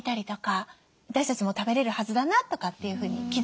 私たちも食べれるはずだなとかっていうふうに気付いたりします。